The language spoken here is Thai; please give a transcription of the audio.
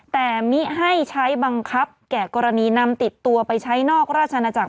แต่มิให้ใช้บังคับแก่กรณีนำติดตัวไปใช้นอกราชนาจักร